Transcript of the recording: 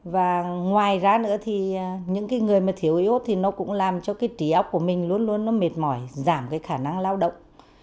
và ngoài ra nữa thì những người mà thiếu y ốt thì nó cũng làm cho trí ốc của mình luôn luôn mệt mỏi giảm khả năng lao động